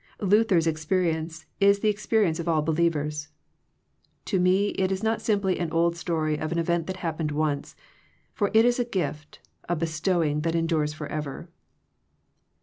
Lu ther's experience is the experience of all believers, "To me it is not simply an old story of an event that happened once ; for it is a gift, a bestowing, that endures forever."